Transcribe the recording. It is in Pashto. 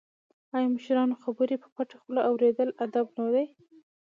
آیا د مشرانو خبرې په پټه خوله اوریدل ادب نه دی؟